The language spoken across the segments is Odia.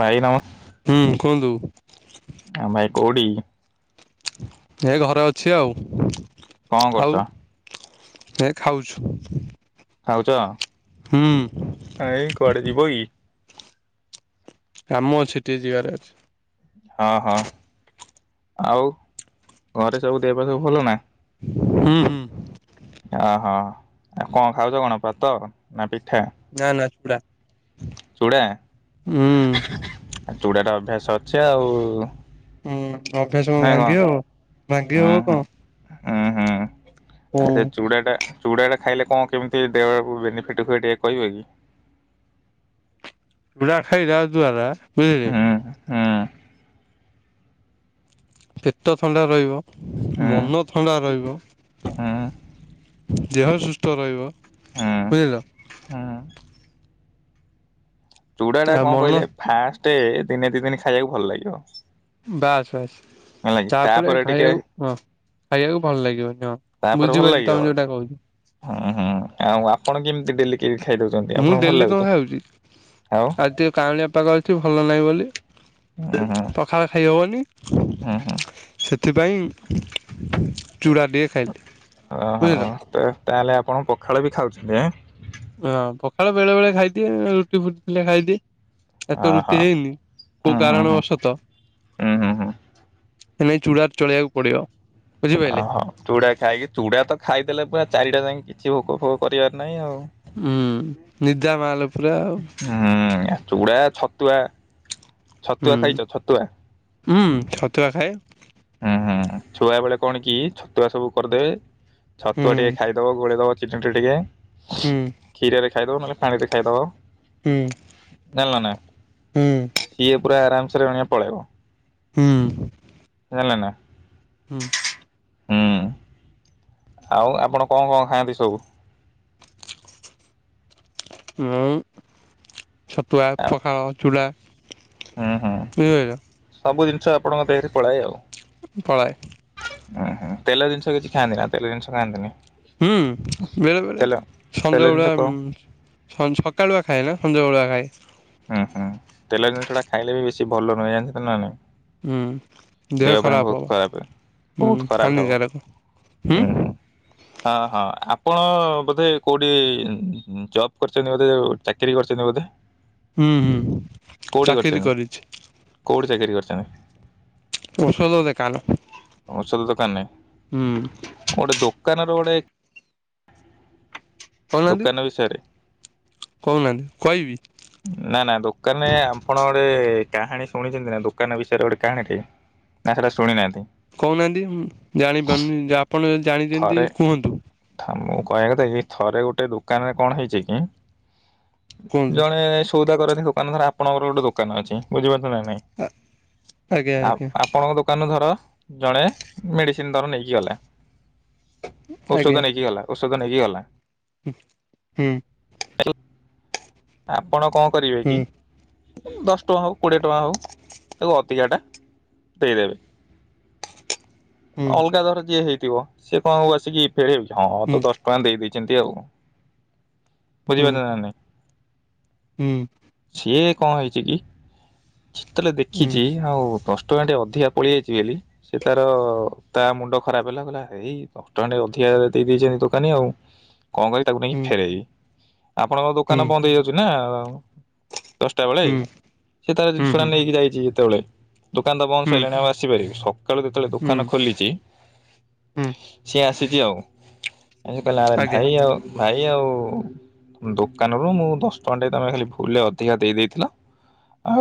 ଭାଇ ନମସ୍କ ହୁଁ କୁହନ୍ତୁ। ଭାଇ କୋଉଠି? ଏଇ ଘରେ ଅଛି ଆଉ। କଣ କରୁଛ? ହେ ଖାଉଛୁ। ଖାଉଛ? ହୁଁ। କାଇଁ କୁଆଡେ ଯିବ କି? କାମ ଅଛି ଟିକେ ଯିବାର ଅଛି। ହଁ ହଁ ଆଉ ଘରେ ସବୁ ଦେହ ଫେହ ସବୁ ଭଲ ନା? ହୁଁ ହୁଁ। ଓ ହୋ ଆଉ କଣ ଖାଉଛ କଣ ଭାତ ନା ପି ନା ନା ଚୁଡା। ଚୁଡା ହୁଁ। ଚୁଡ଼ାର ଅଭ୍ୟାସ ଅ ଆଛି ଆଉ। ହୁଁ। ଅଭ୍ୟାସ କଣ ଭାଙ୍ଗିହବ ହୁଁ ଭାଙ୍ଗିହବ ହୁଁ ହୁଁ କଣ ହୁଁ। ଚୁଡ଼ା ଟା ଖାଇଲେ କଣ କେମିତି ଦେହ ବେନିଫିଟ୍ ହୁଏ ଟିକେ କହିବେ କି? ଚୁଡା ଖାଇବା ଦ୍ଵାରା ବୁଝିଲେ। ହୁଁ ହୁଁ ପେଟ ଥଣ୍ଡା ରହିବ। ହୁଁ ମନ ଥଣ୍ଡା ରହିବ ହୁଁ ହୁଁ ଦେହ ସୁ ସ୍ଥ ରହିବ। ବୁଝିଲ। ହୁଁ। ଚୁଡା ଟା ଆଉ କଣ ମନ କହିଲେ ଫାଷ୍ଟେ ଦିନେ ଦି ଦିନ ଖାଇବାକୁ ଭଲ ଲାଗିବ। ବାସ୍ ବାସ୍। ହେଲା କି ତାପରେ ଟିକେ ଖାଇବାକୁ ହଁ ଖାଇବାକୁ ଭଲ ଲାଗିବନି ହଁ ତାପରେ ଭଲ ବୁଝି ପାରୁଛି ଲାଗିବ। ତମେ ଯୋଉଟା କହୁଛ। ହୁଁ ହୁଁ ଆଉ ଆପଣ କେମିତି ଡେଲି କେକ୍ ଖାଇଦଉଛନ୍ତି ମୁଁ ଆପଣଙ୍କୁ ଭଲ ଡେଲି କଣ ଲାଗୁଛି? ଖାଉଛି ଆଉ ଆଜି ଟିକେ କାଉଁଳିଆ ପାଗ ଅଛି ଭଲାଗିବ ବୋଲି ହୁଁ ହୁଁ ପଖାଳ ଖାଇହବନି ହୁଁ ହୁଁ। ସେଥିପାଇଁ ଚୂଡ଼ାଟିକେ ଖାଇ ହଁ ହଁ ତ ତାହେଲେ ଆପଣ ପଖାଳ ବି ଖାଉଥିଲେ ଆଁ? ହଁ ପଖାଳ ବେଳେ ବେଳେ ଖାଇଦିଏ ରୁଟି ଫୁଟିଥିଲେ ଖାଇଦିଏ। ଆଜି ତ ଓହୋ ରୁଟି ହେଇନି କୋଉ ହୁଁ ହୁଁ କାରଣ ହୁଁ ବଶତଃ। ହୁଁ ହୁଁ ହୁଁ ଏନେ ଚୂଡ଼ାର ଚଳେଇବାକୁ ପଡିବ। ଓ ବୁଝିପାରିଲେ। ହୋ ଚୁଡା ଖାଇକି ଚୁଡା ତ ଖାଇ ଦେଲେ ପୁରା ଚାରିଟା ଯାକେ କିଛି ଭୋକ ଫୋକ କରିବାର ନାହିଁ ଆଉ। ହୁଁ ନିଦା ମାଲୋ ହୁଁ ଚୁଡା ଛ ତୁଆ ଛତୁଆ ହୁଁ ଖାଇଛ ଛତୁଆ? ହୁଁ। ହୁଁ ହୁଁ ଛୁଆ ବେଳେ କଣ କି ଛୁଆ ସବୁ କରିଦେବେ। ହୁଁ ଛତୁଆ ଟିକେ ଖାଇଦବ ଗୋଳେଇ ଦବ ଚିକେନ ଟା ଟିକିଏ ହୁଁ। ଖାଇଦବ ନହେଲେ ପାଣିରେ ଖାଇଦବ। ହୁଁ ଜାଣିଲନା ହୁଁ ସିଏ ପୁରା ଆରାମ ସେ ରେଣଆ ପଳେଇବ। ହୁଁ। ହେଲା ନା? ହୁଁ। ହୁଁ ଆଉ ଆପଣ କଣ କଣ ଖାଆନ୍ତି ସବୁ? ମୁଁ ଛତୁଆ, ପଖାଳ, ଚୁଡ଼ା। ବୁଝିପାଇଲ? ଷ ଆପଣଙ୍କ ଦେହରେ ପଳାଏ ଆଉ। ପଳାଏ ହୁଁ ହୁଁ ତେଲ ଜିନିଷ କିଛି ଖାଆନ୍ତିନା ତେଲ ଜିନିଷ ଖାଆନ୍ତିନି। ହୁଁ ବେଳେ ବେଳେ ତେଲ ତେଲ ସଞ୍ଜ ଜିନିଷ ବେଳୁଆ କ ସଞ୍ଜ ସକାଳୁଆ ଖାଏ ନା ସଞ୍ଜ ବେଳୁଆ ଖାଏ। [inaudible] ଉଁ ହୁଁ ତେଲ ଜିନିଷଟା ଖାଇଲେ ବି ବେଶୀ ଭଲ ନୁହେଁ ଜାଣିଛ ନା ନାଇଁ? ହୁଁ ଦେହ ଖରାପ ହବ ହୁଁ ବହୁତ ଖରାପ ଖାଲି ହବ ଜର ହୁଁ ହଁ ହଁ ଆପଣ ବୋଧେ କୋଉଠି ଜବ୍ କରିଛନ୍ତି ବୋଧେ ଚାକିରି କରିଛନ୍ତି ବୋଧେ? ହୁଁ ହୁଁ କୋଉଠି ଚାକିରି କରିଛନ୍ତି କରିଛି କୋଉଠି ଚାକିରି କରିଛନ୍ତି ଔଷଧ ଦେକାନ। ଔଷଧ ଦୋକାନରେ ଗୋଟେ ଦୋକାନରେ ଗୋଟେ [inaudible] ଦୋକାନ ବିଷୟରେ। କହୁନାନ୍ତି କହିବି ନା ନା ଦୋକାନେ ଆପଣ ଗୋଟେ କାହାଣି ଶୁଣିଚନ୍ତି ନା ଦୋକାନ ବିଷୟରେ ଗୋଟେ କାହାଣୀ ଟେ ନା ହେରା ଶୁଣି ନାହାନ୍ତି। କହୁନାହାନ୍ତି ଜାଣିପାରୁନି ଯ ଆପଣ ଯଦି ଜାଣିଚନ୍ତି କୁହନ୍ତୁ? କହିଆ କଥା କି ଥରେ ଗୋଟେ ଦୋକାନରେ କଣ ହେଇଚି କି କୁହନ୍ତୁ ମାନେ ସଉଦା କରନ୍ତି ଦୋକାନ ଧର ଆପଣଙ୍କର ଗୋଟେ ଦୋକାନ ଅଛି, ବୁଝିପାର ନ ନାଇଁ ଆଜ୍ଞା ଆଜ୍ଞା ଆପଣଙ୍କ ଦୋକାନରୁ ଧର ଜଣେ ମେଡିସିନ ଦର ନେଇକି ଗଲା। ଔଷଧ ନେଇକି ଗଲା, ଓସ୍ ଚକ ନେଇଗଲା। ହୁ ହୁଁ। [inaudible] ଆପ୍। ଆପଣ କଣ କରିବେ ହୁଁ କି ଦଶ ଟଙ୍କା ହଉ କୋଡ଼ିଏ ଟଙ୍କା ହଉ ତାକୁ ଅଧିକାଟା ଟେରେଳ। ହୁଁ ଅଲଗା ଦର ଯେ ହେଇ ଚିବ ସେଏ କଣ ଆଉ ଆସିକି ଏ ହଁ ହୁଁ ତ ଦଶଟଙ୍କା ଦେଇଦେଇଛି। ଚିନ୍ତି ଆଉ। ବୁଝିବ ହୁଁ ନା ନାଇଁ। ହୁଁ। କଅଁ ହେଉଛି କି। ଛିତେଲ ଦେଖିଛି ଆଉ ଦଶ ଟଙ୍କାଟିଏ ଅଧିକା ପଳି ଆଇଛି ବୋଲି ସେ ତାର ତା ମୁଣ୍ଡ ଖରାପ ହେଲା ଏଇ ଦଶଟଙ୍କା ଅଧିକା ଦେଇ ଦେଇେଇଛନ୍ତି ଦୋକାନୀ ଆଉ। କଣ କରିିବି ତାକୁ ନେଇକି ହୁଁ ହୁଁ ଫେରଇବି ଆପଣଙ୍କ ହୁଁ ଦୋକାନ ହୁଁ ହୁଁ ବନ୍ଦ ହେଇଯାଉ ସିଏନା ଦଶଟା ବେଳେ ସିଏ ତାର ଜିନିଷଟା ନେଇକି ଯାଇଛି ଯେତେବେଳେ ଦୋକାନ ତ ବନ୍ଦ ସରିଲାଣି ଆଉ ଆସିପାରିବି ସ ସକାଳୁ ଯେତେବେଳେ ହୁଁ ହୁଁ ଦୋକାନ ଖୋଲିଛି ହୁଁ ସେ ସେଥିଉ ଆଜି କାଲି ଆଜ୍ଞା ଭାଇ ଆଉ ଭାଇ ଆଉ ଦୋକାନରୁ ମୁଁ ଦଶ ଟଙ୍କା ଟ ତମେ ଖାଲି ଭୁଲରେ ଅଧିକା ଦେଇ ଦେଇେଇଥିଲ, ଆଉ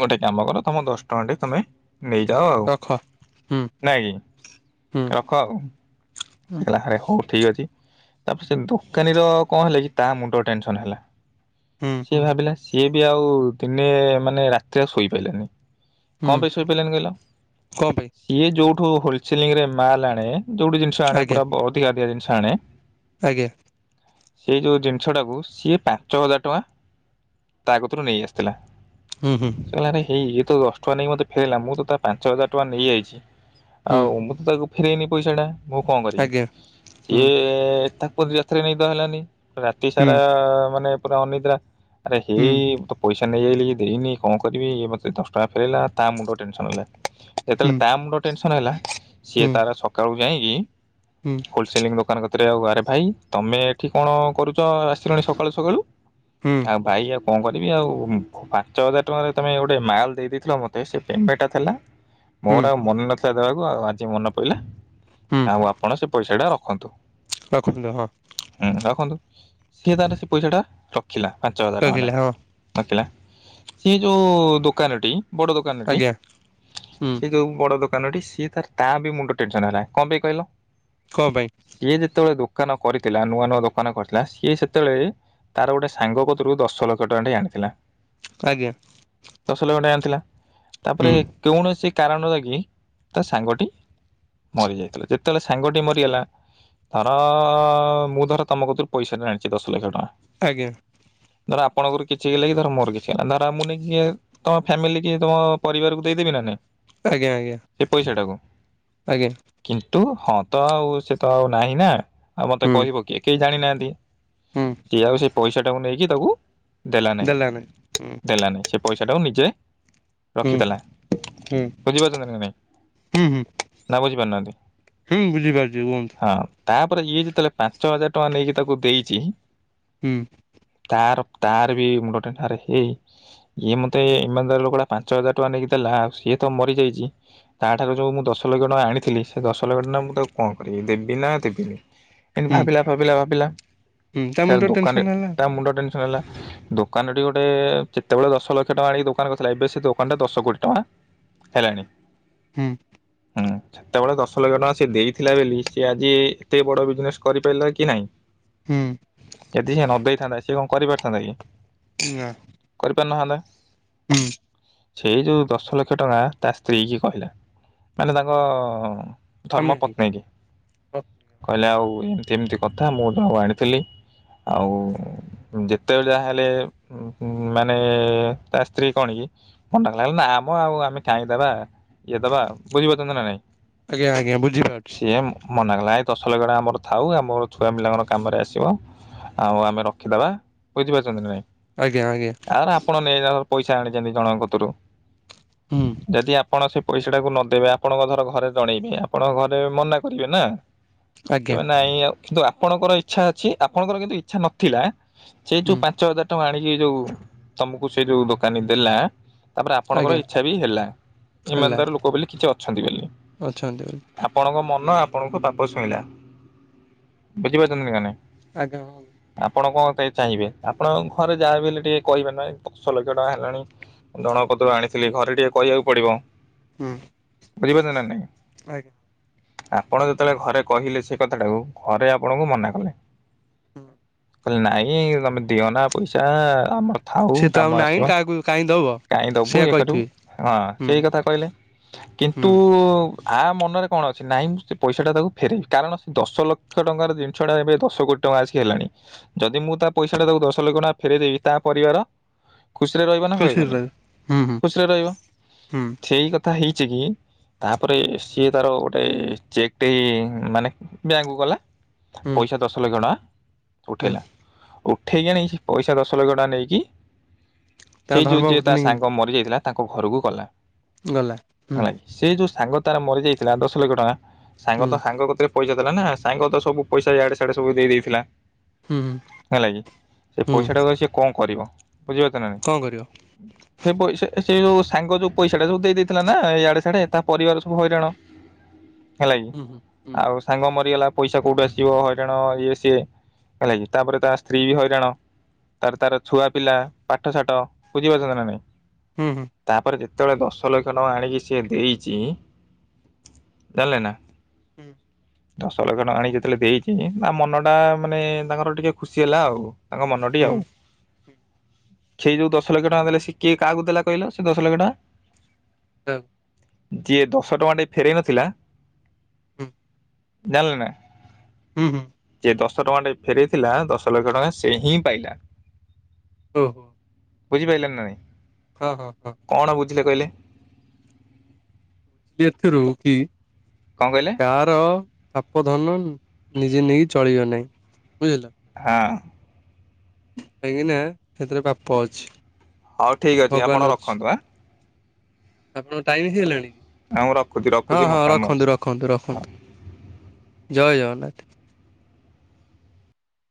ଗୋଟେ କାମ କର ତମ ଦଶ ଟଙ୍କା ଟା ତମେ ନେଇଯାଅ ଆଉ ରଖ ହୁଁ ନାଇଁ ହୁଁ କି ରଖ ଆଉ। ସେ କହିଲା ହରେ ହଉ ଠିକ ଅଛି ତାପ ସେ ଦୋକାନୀ ର କଣ ହେଲା କି ତା ମୁଣ୍ଡ ଟେନସନ ହେଲା। ହୁଁ ସିଏ ଭାବିଲା ସିଏ ବି ଆଉ ଦିନେ ମାନେ ରାତିରେ ଆଉ ଶୋଇପାରିଲାନି। କଣ ହୁଁ ପାଇଁ ସୋଇପାରିଲାଣି କହିଲ କଣ ପାଇଁ ସିଏ ଯୋଉଠି ଯୋଉ ହୋଲସେଲିଙ୍ଗ୍ ରେ ମାଲ ଆଣେ ଯୋଉ ଆଜ୍ଞା ଜିନି [unintelligible] ଥାଣେ ଆଜ୍ଞା। ସେଇ ଯୋଉ ଜିନିଷ ଟାକୁ ସିଏ ପାଞ୍ଚ ହଜାର ଟଙ୍କା ତା କତିରୁ ନେଇ ଆସିଥିଲା। ହୁଁ ହୁଁ ଆରେ ହେଇ ଏଇତ ନେଇ ମତେ ଫେରିଲ ମୁଁ ତ ତା ପାଞ୍ଚ ହଜାର ଟଙ୍କା ନେଇଯାଇଛି। ହୁଁ ଆଉ ମୁଁ ତ ତାକୁ ଫେରେଇନି ପଇସା ଟା କଣ କରିବା ଆଜ୍ଞା ହୁଁ ଇଏ ତା ମତେ ରାତିରେ ନିଦ ହେଲାନି। ରାତି ହୁଁ ସାରା ମାନେ ପୁରା ଅନିଦ୍ରା ଆରେ ହୁଁ ହେଇ ତ ପଇସା ସେ ନେଇ ଯାଇଚି ଦେଇନି କଣ କରିବି ଇଏ ମତେ ଦଶ ଟଙ୍କା ଫେରାଇଲା ତା ମୁଣ୍ଡ ଟେନସନ ହେଲା। ହୁଁ ଯେତେବେଳେ ତା ମୁଣ୍ଡ ଟେନସନ କଣ ହେଲା? ସିଏ ହୁଁ ତାର ସକାଳୁ କାଇଁ କି ହୁଁ ହୋଲସେଲିଂ ଦୋକାନ କଥା ଆଉରେ ଭାଇ ତମେ ଏଠି କଣ କରୁଛ ଆସିଲଣି ସକାଳୁ ସକାଳୁ ହୁଁ ଆଉ ଭାଇ ଆଉ କଣ କରଛ? ଆଉ ପାଞ୍ଚ ହଜାର ଟଙ୍କାରେ ତମେ ଗୋଟେ ମାଲ ଦେଇ ଦେଇେଇଥିଲ ମତେ ସେ ପେମେଣ୍ଟ ଟା ଥିଲା ହୁଁ ମୋର ଆଉ ମନ ନଥିଲା। ଦେବାକୁ ଆଉ ଆଜି ମନେ ପଡିଲା। ହୁଁ ଆଉ ଆପଣ ସେ ପଇସା ରଖ ଖନ୍ତୁ। ରଖନ୍ତୁ ହଁ ହୁଁ ରଖନ୍ତୁ ସିଏ ତାହଲେ ସେ ପଇସା ଟା ରଖ ଖିଲା ପାଞ୍ଚ ହଜାର ଟଙ୍କା ଟା ରଖିଲେ ହଁ ନଖିଲା ସେ ଯୋଉ ଦୋକାନଟି ବଡ ଦୋକାନ ଏଟି ଆଜ୍ଞା ହୁଁ ସେ ଯୋଉ ବଡ ଦୋକା ଦୋକାନ ଟି ସିଏ ତାର ତା ବି ମୁଣ୍ଡ ଟେନସନ ହେଲା କଣ ପାଇଁ କହିଲ କଣ ପାଇଁ ସିଏ ଯେତେବେଳେ ଦୋ ଦୋକାନ କରିଥିଲା ନୂଆ ନୂଆ ଦୋକାନ କରିଥିଲା ସିଏ ସେତେବେଳେ ତାର ଗୋଟେ ସାଙ୍ଗ କତରୁ ଦଶ ଲକ୍ଷ ଟଙ୍କା ଟ ଆଣିଥିଲା। ଆଜ୍ଞା ଦଶ ଲକ୍ଷ ଟଙ୍କା ଆଣିଥିଲା। ତାପରେ ହୁଁ କୌଣସି କାରଣ ଲାଗି ତା ସାଙ୍ଗଟି ମରିଯାଇଥିଲା ଯେ ଯେତେଲେ ସାଙ୍ଗଟି ମରିଗଲା ଧର ମୁଁ ଧର ତମ ଥର ପଇସା ଆଣିଛି ଦଶ ଲକ୍ଷ ଟଙ୍କା ଆଜ୍ଞା ଧର ଆପଣଙ୍କର କିଛି ହେଲା କି ଧର ମୋର କିଛି ହେଇଲା ଧର ମୁଁନି କି ତମ ଫ୍ୟାମିଲି କି ତମ ପରିବାରକୁ ଦେଇଦେବି ନା ନାଇଁ? ଆଜ୍ଞା ଆଜ୍ଞା ସେ ପଇସା ଟାକୁ ଆଜ୍ଞା। କିନ୍ତୁ ହଁ ତ ଆଉ ସେ ତ ଆଉ ନାହିଁ ନା ଆଉ ମତେ ହୁଁ କହିବ କି କେହି ଜାଣିନାହାନ୍ତି। [unintelligible] ହୁଁ ସିଏ ଆଉ ସେଇ ପଇସା ଟାକୁ ନେଇକି ତାକୁ ଦେଲା ନାହିଁ ଦେଲାନି ହୁଁ ଦେଲ ନାହିଁ ସେ ପଇସା ଟାକୁ ନିଜେ ହୁଁ ରଖିଥିଲା ହୁଁ ବୁଝିପାରୁଛନ୍ତି ନା ନାଇଁ ହୁଁ ହୁଁ ନା ବୁଝି ପାରୁନାହାନ୍ତି? ହୁଁ ବୁଝିପାରୁଛି କୁହନ୍ତୁ। ତାପରେ ଇଏ ଯେତେବେଳେ ପାଞ୍ଚ ହଜାର ଟଙ୍କା ନେଇକି ତାକୁ ଦେଇଛି। ହୁଁ। ତାର ତାର ବି ମୁଣ୍ଡ ଟେ ଆରେ ହେଇ ଇଏ ମତେ ଇମାନ୍ଦାର ର ଲୋକ ଟା ପାଞ୍ଚ ହଜାର ଟଙ୍କା ନେଇକି ଦେଲା ଆଉ ସିଏ ତ ମରିଯାଇଛି ତା ଠାରୁ ଯୋଉ ମୁଁ ଦଶ ଲକ୍ଷ ଟଙ୍କା ଆଣିଥିଲି ସେ ଦଶ ଲକ୍ଷ ଟଙ୍କା ନା ମୁଁ ତାକୁ କଣ କରିବି ଦେବି ନା ଦେବିନି। ଏମତି ହୁଁ ଭାବିଲା ଭାବିଲା ଭାବିଲା ହୁଁ ତା ତାର ମୁଣ୍ଡ ଦୋକାନ ଟେନସନ ହେଲା ତା ମୁଣ୍ଡ ଟେନ୍ ଲା ଦୋକାନ ଟି ଗୋଟେ କେତେବେଳେ ଦଶ ଲକ୍ଷ ଟଙ୍କା ଆଣିକ ଦୋକାନ କଥିଲା ଏବେ ସେ ଦୋକାନ ଟା ଦଶ କୋଟି ଟଙ୍କା ହେଲାଣି। ହୁଁ। ହୁଁ ସେତେବେଳେ ଦଶ ଲକ୍ଷ ଟଙ୍କା ସେ ଦେଇଥିଲା ବେଲି ସେ ଆଜି ଏତେ ବଡ ବିଜନେସ କରିପାରିଲା କି ନାଇଁ। ହୁଁ ଯଦି ସେ ନଦେଇ ଥାନ୍ତା ସେ କଣ କରିପାରିଥାନ୍ତା କି? ନା କରିପାରି ନଥାନ୍ତା। ହୁଁ। ସେଇ ଯୋଉ ଦଶ ଲକ୍ଷ ଟଙ୍କା ତା ସ୍ତ୍ରୀ କି କହିଲା ମାନେ ତାଙ୍କ ଧର୍ମ ଆମେ ପତ୍ନୀକି କହିଲେ ଆଉ ଏମିତି ଏମିତି କଥା ମୁଁ ଜଣକୁ ଆଣିଥିଲି ଆଉ ଯେତେବେଳେ ଯାହା ହେଲେ ମାନେ ତା ସ୍ତ୍ରୀ କଣ କି ଫଣ୍ଡା କଲା ନାମ ଆଉ ଆମେ କାଇଁ ଦବା। ଇଏ ଦବା ବୁଝିପାରୁଚନ୍ତି ନା ନାଇଁ। ଆଜ୍ଞା ଆଜ୍ଞା ବୁଝିପାରୁଛି ସିଏ ମନାକଲା। ଦଶ ଲକ୍ଷ ଟଙ୍କା ଆମର ଥାଉ ଆମ ଛୁଆ ପିଲାଙ୍କର କାମରେ ଆସିବ ଆଉ ଆମେ ରଖିଦବା ବୁଝିପାରୁଛନ୍ତି ନା ନାହିଁ। ଆଜ୍ଞା ଆଜ୍ଞା ଆରେ ଆପଣ ନେଇଯା ପଇସା ଆଣିଛନ୍ତି ଜଣଙ୍କକତରୁ। ହୁଁ ଯଦି ଆପଣ ସେ ପଇସାଟାକୁ ନଦେବେ ଆପଣଙ୍କ ଧର ଘରେ ଜଣେଇବେ ଆ ଆପଣଙ୍କ ଘରେ ମନା କରିବେ ନା। ଆଜ୍ଞା ତେବେ ନାଇଁ ଆଉ କିନ୍ତୁ ଆ ଆପଣଙ୍କର ଇଚ୍ଛା ଅଛି ଆପଣଙ୍କର କିନ୍ତୁ ଇଚ୍ଛା ନଥିଲା। ସେଇ ଯୋଉ ହୁଁ ପାଞ୍ଚ ହଜାର ଟଙ୍କା ଆଣିି ଇଏ ଯୋଉ ତମକୁ ସେ ଯୋଉ ଦୋକାନୀ ଦେଲା ତାପରେ ଆପଣଙ୍କର ଆଜ୍ଞା ଇଚ୍ଛା ବି ହେଲା। ଇମାନ୍ଦାର ଲୋକ ବୋଲି କିଛି ଛନ୍ତିଵଲି ଅ ଆପଣଙ୍କ ମନ ନ ଆପଣଙ୍କ ପାପ ଛୁଇଁଲା ବୁଝିପାରୁଛନ୍ତିନ କେନେ। ଆଜ୍ଞା ହଁ। ତେ ଚାହିଁବେ ଆପଣ ଘରେ ଯାହାଵି ହେଲେ ଟିକେ କହିବେ ନା ଦଶ ଲକ୍ଷ ଟଙ୍କା ହେଲାଣି ଜଣକତ୍ରୁ ଆଣିଥିଲି ଘରେ ଟିକେ କହିବାକୁ ପଡିବ। ହୁଁ ବୁଝିପାରୁଚ ନା ନାହିଁ। ଆଜ୍ଞା ଆପଣ ଯେତେବେଳେ ଘରେ କହିଲେ ସେ କଥାଟାକୁ ଘରେ ଆପଣଙ୍କୁ ମନା କଲେ। ହୁଁ। କହିଲେ ନାଇଁ ତମେ ଦିଅନା ପଇସା ଆମର ଥାଉ ସିଏ ତ ଆଉ କାମ ନାହିଁ ଆସିବ କାହାକୁ କାହିଁ ଦବ କାଇଁ ଦବୁ ସେଇଆ ଇଏ କରିବୁ କହିଥିବେ ହଁ ହୁଁ ସେଇ କଥା କହିଲେ। କିନ୍ତୁ ହୁଁ ଆ ମ ମନରେ କଣ ଅଛି ନାଇଁ ମୁଁ ସେ ପଇସା ଟା ତାକୁ ଫେରାଇବି। କାରଣ ସେ ଦଶ ଲକ୍ଷ ଟଙ୍କାର ଜିନିଷ ଟା ଏବେ ଦଶ କୋଟି ଟଙ୍କା ଆସିକି ହେଲାଣି। ଯଦି ମୁଁ ତା ପଇସା ଟା ତାକୁ ଦଶ ଲକ୍ଷ ଟଙ୍କା ଫେରଇଦେବି ତା ପରିବାର ଖୁସିରେ ରହିବ ନା ଖୁସିରେ ରହିବନି। ରହିବେ। ହୁଁ ହୁଁ ଖୁସିରେ ରହିବ ହୁଁ ସେଇ କଥା ହେଇ [unintelligible] ତାପରେ ସିଏ ତାର ଗୋଟେ ଚେକ୍ ଟେ ମାନେ ବ୍ୟାଙ୍କକୁ ଗଲା। ହୁଁ ପଇସା ଦଶ ଲକ୍ଷ ଟଙ୍କା। ହୁଁ ଉଠେଇଲା। ଉଠେଇକି ଆଣିକି ସେ ପଇସା ଦଶ ଲକ୍ଷ ଟଙ୍କା ନେଇକି ତାଙ୍କ ସେଇ ଯୋଉ ଯିଏ ତା ଧର୍ମପତ୍ନୀ ସାଙ୍ଗ ମରି ଯାଇଥିଲା? ତାଙ୍କ ଘରକୁ ଗଲା। ଗଲା ହୁଁ। ହେଲା କି ସେ ଯୋଉ ସାଙ୍ଗ ତାର ମରିଯାଇଥିଲା ଦଶ ଲକ୍ଷ ଟଙ୍କା ସାଙ୍ଗ ହୁଁ ତ ସାଙ୍ଗ କତିରେ ପଇସା ଦେଲା ନା ସାଙ୍ଗ ତ ସବୁ ପଇସା ଇଆଡେ ସଆଡେ ସବୁ ଦେଇ ଦେଇଥିଲା। ହୁଁ ହେଲା କିି ସେ ହୁଁ ପଇସା ଟାକୁ ଆଉ ସେ କଣ କରିବ। ବୁଝିପାରୁଚ ନା ନାଇଁ କଣ କରିବ ସେ ପଇସା ସେଇ ଯୋଉଁ ସାଙ୍ଗ ଯୋଉଁ ପଇସା ଟା ସବୁ ଦେଇ ଦେଇଥିଲା ନା ଇଆଡେ ସଆଡେ ତା ପରିବାର ହଇରାଣ। ହେଲା କିି ହୁଁ ହୁଁ ହୁଁ ଆଉ ସାଙ୍ଗ ମରିଗଲା। ପଇସା କୋଉଠୁ ଆସିବ ହଇରାଣ ଇଏ ସିଏ ହେଲା କିି ତାପରେ ତା ସ୍ତ୍ରୀ ବି ହଇରାଣ ତାର ତାର ଛୁଆ ପିଲା ପାଠ ସାଠ ବୁଝିପାରୁଛ ନା ନାଇଁ। ହୁଁ ହୁଁ ତାପରେ ଯେ ଯେତେବେଳେ ଦଶ ଲକ୍ଷ ଟଙ୍କା ଆଣିକି ସିଏ ଦେଇଚି ଜାଣିଲ ନା। ହୁଁ। ଦଶ ଲକ୍ଷ ଟଙ୍କା ଆଣି ଯେତେବେଳେ ଦେଇଛି ତା ମନ ଟା ମାନେ ତାଙ୍କର ଟିକେ ଖୁସି ହେଲା ଆଉ। ତାଙ୍କ ମନଟି ହୁଁ ହୁଁ ଆଉ। ସେଇ ଯୋଉ ଦଶ ଲକ୍ଷ ଟଙ୍କା ଦେଲେ ସିଏ କିଏ କାହାକୁ ଦେଲା କହିଲ ସେ ଦଶ ଲକ୍ଷ ଟଙ୍କା? କାହାକୁ। ଯିଏ ଦ ସେ ଟଙ୍କା ଟେ ଫେରେଇ ନଥିଲା ହୁଁ। ଜାଣିଲେ ନା। ହୁଁ ହୁଁ। ଯିଏ ଦଶ ଟଙ୍କା ଟେ ଫେରେଇଥିଲା ଦଶ ଲକ୍ଷ ଟଙ୍କା ସେ ହିଁ ପାଇଲା। ଓ ହୋ। ବୁଝିପାଇଲେ ନା ନାଇଁ। କହ ହଁ ହଁ। [unintelligible] କହିଲେ। [unintelligible] କଣ କହିଲେ କାହାର ପାପ ଧନ ନିଜେନେଇ ଚ ଚଳିବ ନାହିଁ। ହଁ। କାହିଁକି ନା ସେଥିରେ ବାପ ଅଛି। ହଉ ଠିକ ଅଛି ଆପଣ ରଖନ୍ତୁ ଆଁ ଆପଣଙ୍କ ଟାଇମ୍ [unintelligible] ଗଲାଣି। ହଁ ମୁଁ ରଖୁଛି ହଁ ରଖୁଛି ମୋର ହଁ କାମ ଅଛି ରଖନ୍ତୁ ରଖନ୍ତୁ ରଖନ୍ତୁ ଜୟ ଜଗନ୍ନାଥ।